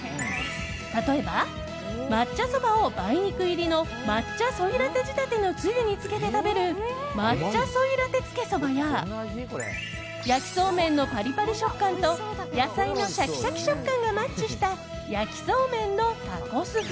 例えば、抹茶そばを梅肉入りの抹茶ソイラテ仕立てのつゆにつけて食べる抹茶ソイラテつけそばや焼きそうめんのパリパリ食感と野菜のシャキシャキ食感がマッチした焼きそうめんのタコス風。